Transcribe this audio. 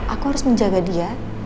aku harus menjaga dia